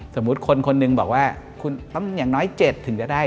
สมมุติคนคนหนึ่งบอกว่าคุณต้องอย่างน้อย๗ถึงจะได้